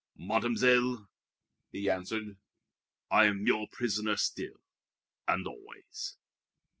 "Mademoiselle," he answered, "I am your prisoner still, and always."